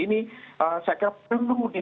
ini saya kira perlu